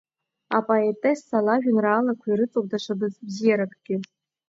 Апоетесса лажәеинраалақәа ирыҵоуп даҽа бзиаракгьы…